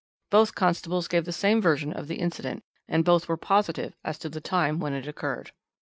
Both constables gave the same version of the incident, and both were positive as to the time when it occurred.